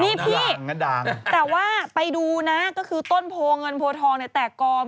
นี่พี่แต่ว่าไปดูนะก็คือต้นโพเงินโพทองเนี่ยแตกกอง